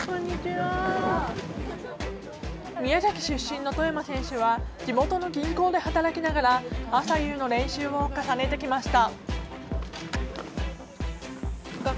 宮崎出身の外山選手は地元の銀行で働きながら朝夕の練習を重ねてきました。